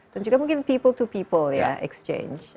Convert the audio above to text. dan juga mungkin people to people ya exchange